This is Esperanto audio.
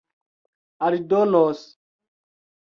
aldonos